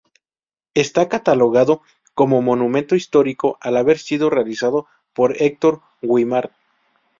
Está catalogado como Monumento Histórico al haber sido realizado por Hector Guimard.